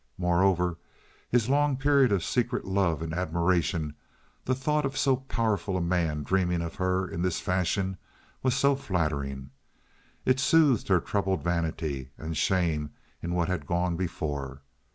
Moreover, his long period of secret love and admiration, the thought of so powerful a man dreaming of her in this fashion, was so flattering. It soothed her troubled vanity and shame in what had gone before.